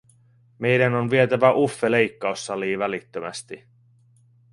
"Meidän on vietävä Uffe leikkaussalii välittömästi!"